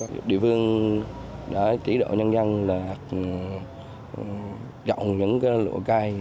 địa phương đã kỹ độ nhân dân là chọn những cái lụa cây